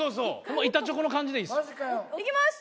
板チョコの感じでいいです。